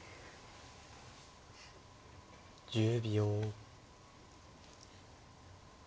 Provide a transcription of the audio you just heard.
１０秒。